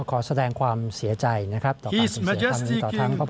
ขอบคุณครับ